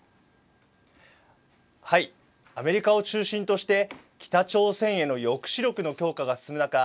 アメリカを中心として北朝鮮への抑止力の強化が進む中